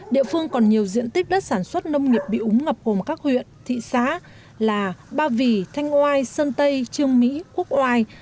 địa phương còn nhiều diện tích đất sản xuất nông nghiệp bị úng ngập gồm các huyện thị xã là ba vì thanh oai sơn tây trương mỹ quốc oai